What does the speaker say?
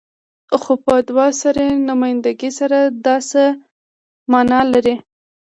خو په دوه سري نمايندګۍ سره دا څه معنی لري؟